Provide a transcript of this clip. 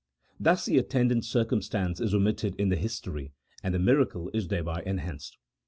Thus the attendant circumstance is omitted in the history, and the miracle is thereby enhanced.